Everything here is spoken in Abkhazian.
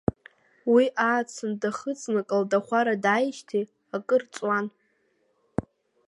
Уи, Аацынтә дахыҵны, Калдахәара дааижьҭеи акыр ҵуан.